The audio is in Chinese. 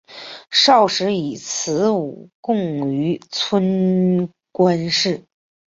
少时以辞赋贡于春官氏。